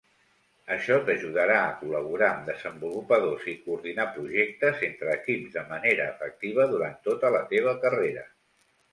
Això t'ajudarà a col·laborar amb desenvolupadors i coordinar projectes entre equips de manera efectiva durant tota la teva carrera.